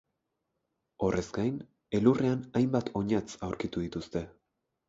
Horrez gain, elurrean hainbat oinatz aurkitu dituzte.